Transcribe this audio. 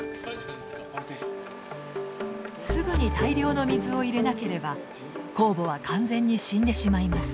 すぐに大量の水を入れなければこうぼは完全に死んでしまいます。